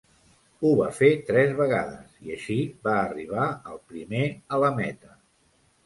Ho va fer tres vegades, i així va arribar el primer a la meta.